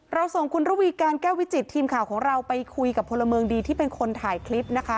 ส่งคุณระวีการแก้ววิจิตทีมข่าวของเราไปคุยกับพลเมืองดีที่เป็นคนถ่ายคลิปนะคะ